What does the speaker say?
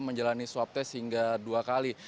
menjalani swab test hingga dua kali